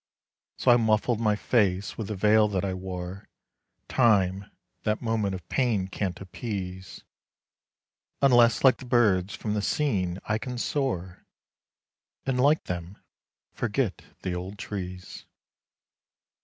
So I muffled my face with the veil that I wore Time, that moment of pain can't appease; Unless like the birds from the scene I can soar, And like them, forget the old trees.